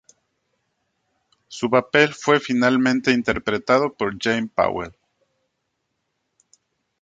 Su papel fue finalmente interpretado por Jane Powell.